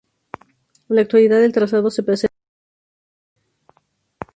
En la actualidad el trazado se preserva como vía verde.